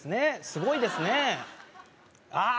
すごいですねああ